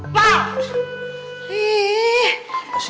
bukannya nemenin istri sarapan